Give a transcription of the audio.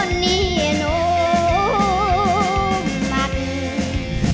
คนนี้หนูมาก